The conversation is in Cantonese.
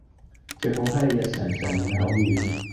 最好係日常常用嘅口語